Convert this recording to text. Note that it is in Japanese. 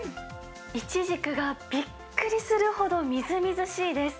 いちじくがびっくりするほどみずみずしいです。